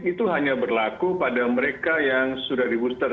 itu hanya berlaku pada mereka yang sudah di booster